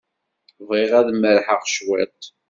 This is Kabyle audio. Bɣiɣ ad merrḥeɣ cwiṭ.